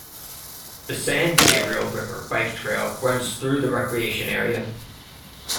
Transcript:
The San Gabriel River Bike Trail runs through the recreation area.